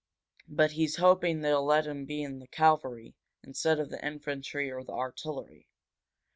But he's hoping they'll let him be in the cavalry, instead of the infantry or the artillery."